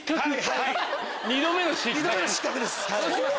二度目の失格です。